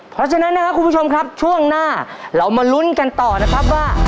เพราะฉะนั้นนะครับคุณผู้ชมครับช่วงหน้าเรามาลุ้นกันต่อนะครับว่า